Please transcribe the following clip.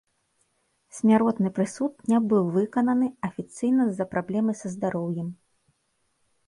Смяротны прысуд не быў выкананы, афіцыйна з-за праблемы са здароўем.